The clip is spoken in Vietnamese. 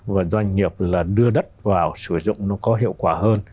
và doanh nghiệp là đưa đất vào sử dụng nó có hiệu quả hơn